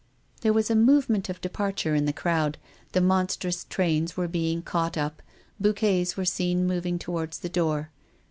There was a movement of departure in the crowd. The monstrous trains were being caught up, bouquets were seen moving toward the door.